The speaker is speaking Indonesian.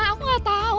aku gak tahu